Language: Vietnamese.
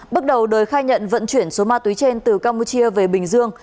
bước đầu đời khai nhận vận chuyển số ma túy trên từ campuchia về bình dương